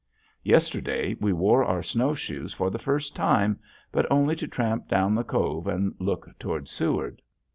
Yesterday we wore our snowshoes for the first time, but only to tramp down the cove and look toward Seward.